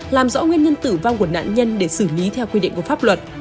làm rõ nguyên nhân tử vong của nạn nhân để xử lý theo quy định của pháp luật